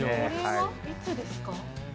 これはいつですか？